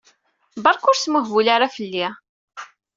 Berka ur smuhbul ara fell-i!